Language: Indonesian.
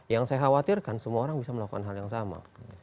yang saya khawatirkan semua orang bisa melakukan hal yang sama